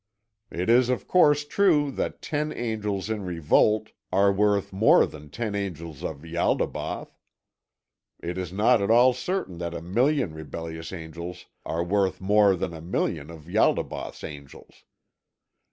It is of course true that ten angels in revolt are worth more than ten angels of Ialdabaoth; it is not at all certain that a million rebellious angels are worth more than a million of Ialdabaoth's angels.